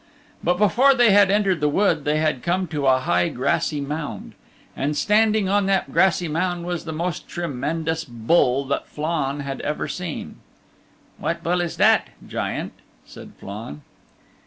But before they had entered the wood they had come to a high grassy mound. And standing on that grassy mound was the most tremendous bull that Flann had ever seen. "What bull is that, Giant?" said Flann.